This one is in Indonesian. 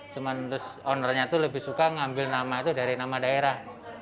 cuma terus ownernya itu lebih suka ngambil nama itu dari nama daerah